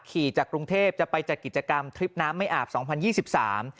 ขี่จากกรุงเทพจะไปจัดกิจกรรมทริปน้ำไม่อาบสองพันยี่สิบสาม